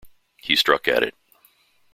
He struck at it.